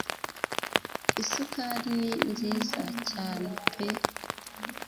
isukari ni nziza cyane pe